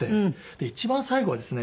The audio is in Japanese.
で一番最後はですね